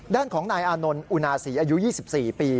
ด้านของนายอานนท์อุนาศรีอายุ๒๔ปี